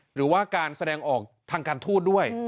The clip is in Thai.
หรือว่าการแสดงออกทางการทูตด้วย